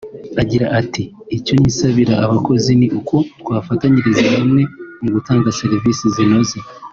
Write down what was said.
Agira ati “Icyo nisabira abakozi ni uko twafatanyiriza hamwe mu gutanga serivisi zinoze